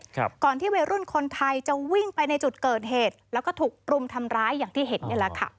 ก่อนที่วัยรุ่นคนไทยจะวิ่งไปในจุดเกิดเหตุแล้วก็ถูกรุมทำร้ายอย่างที่เห็นนี่แหละค่ะ